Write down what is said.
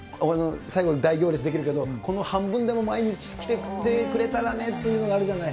最後に大行列出来るけど、この半分でも毎日来てくれてたらねっていうのがあるじゃない。